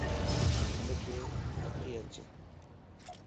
ھنک وڻھي اچ